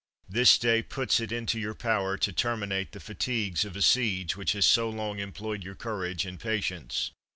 This day puts it into your power to terminate the fatigues of a siege which has so long em ployed your courage and patience.